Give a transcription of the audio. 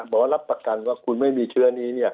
บอกว่ารับประกันว่าคุณไม่มีเชื้อนี้